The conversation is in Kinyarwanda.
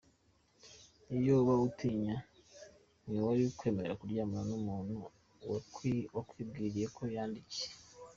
iyo uba uyitinya ntiwari kwemera kuryamana n’umuntu wakwibwiriye ko yandike.